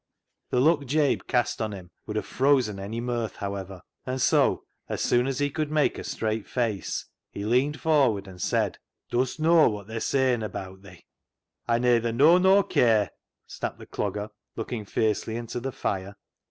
The look Jabe cast on him would have frozen any mirth, however, and so, as soon as he could make a straight face, he leaned for ward and said —" Dust knaw wot they're sayin' abaat thi ?"" Aw nayther knaw nor care," snapped the Clogger, looking fiercely into the fire.